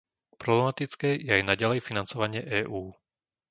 Problematické je aj naďalej financovanie EÚ.